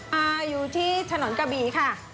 มาอยู่ที่ถนนกะบี่ค่ะ